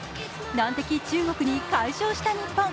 難敵・中国に快勝した日本。